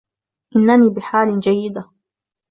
اننی بحال جیده.